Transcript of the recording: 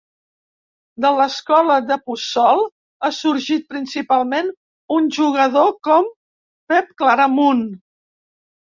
De l'escola del Puçol ha sorgit principalment un jugador com Pep Claramunt.